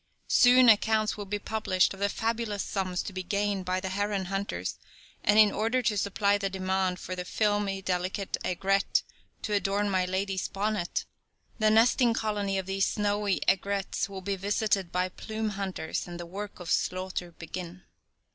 Soon accounts will be published of the fabulous sums to be gained by the heron hunters, and in order to supply the demand for the filmy, delicate aigrette to adorn my lady's bonnet, the nesting colony of these snowy egrets will be visited by the plume hunters and the work of slaughter begin.